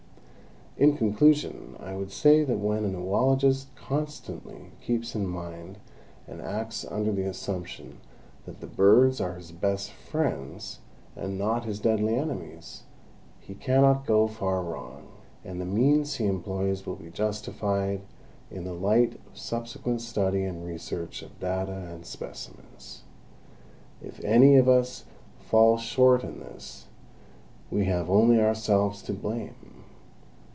In conclusion I would say that when an oologist constantly keeps in mind and acts under the assumption that the birds are his best friends and not his deadly enemies, he cannot go far wrong, and the means he employs will be justified in the light of subsequent study and research of data and specimens. If any of us fall short in this we have only ourselves to blame.